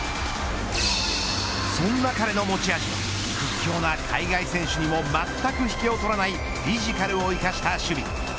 そんな彼の持ち味は屈強な海外選手にもまったく引けを取らないフィジカルを生かした守備。